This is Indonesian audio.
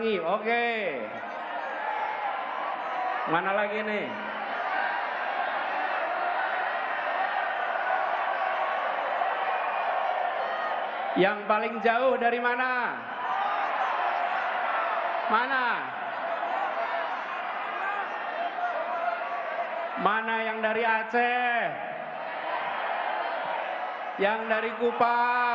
gimana dengan yang dari jakarta